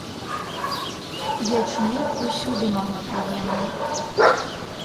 Ячмень усюды мала прыемны.